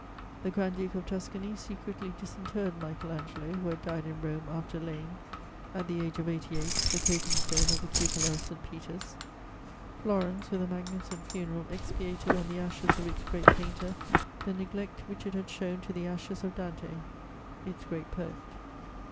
The Grand duke of Tuscany secretly disinterred Michael Angelo, who had died in Rome after laying, at the age of eighty eight, the coping stone of the cupola of St. Peter's. Florence, with a magnificent funeral, expiated on the ashes of its great painter the neglect which it had shown to the ashes of Dante, its great poet.